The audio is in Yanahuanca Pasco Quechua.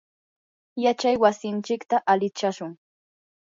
yachay wasinchikta alichashun.